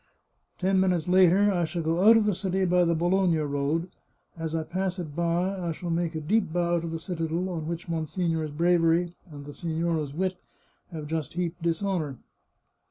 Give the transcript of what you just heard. Ten minutes later I shall go out of the city by the Bologna road; as I pass it by I shall make a deep bow to the citadel on which mon signore's bravery and the signora's wit have just heaped dishonour.